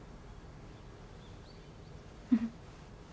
うん。